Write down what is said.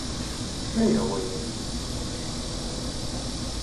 Ma yehwa-ak.